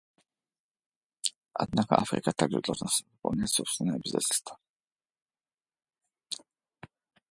Однако Африка также должна выполнять собственные обязательства.